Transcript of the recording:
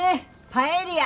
パエリア